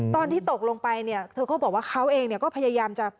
ตอนที่ตกลงไปเธอก็บอกว่าเขาเองก็พยายามจะ